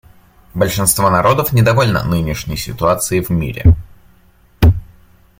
Большинство народов недовольно нынешней ситуацией в мире.